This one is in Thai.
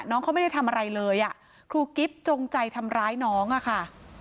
น้องเขาไม่ได้ทำอะไรเลยอ่ะครูกิ๊บจงใจทำร้ายน้องอะค่ะ